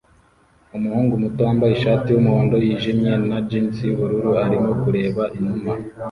Umuhungu muto wambaye ishati yumuhondo yijimye na jans yubururu arimo kureba inuma